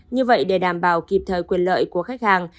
như vậy để đảm bảo kịp thời quyền lợi của khách hàng